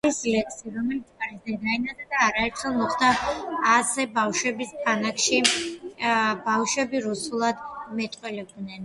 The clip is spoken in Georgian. არის ლექსი რომელიც არის დედაენაზე , რომ ერთხელ მოხდა ასე, ბავშვების ბანაკში ბავშვები რუსულად მეტყველებდნენნ